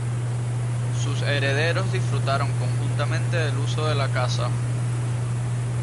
Sus herederos disfrutaron conjuntamente del uso de la casa.